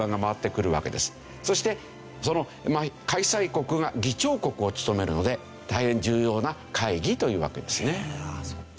そしてその開催国が議長国を務めるので大変重要な会議というわけですね。